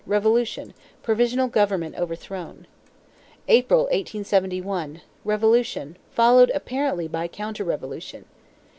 Revolution; provisional government overthrown. April, 1871. Revolution; followed apparently by counter revolution.